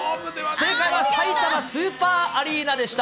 正解はさいたまスーパーアリーナでした。